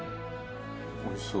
おいしそう。